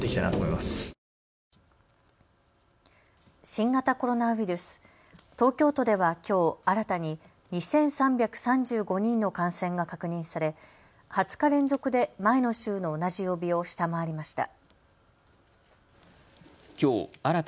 新型コロナウイルス、東京都ではきょう新たに２３３５人の感染が確認され２０日連続で前の週の同じ曜日を下回りました。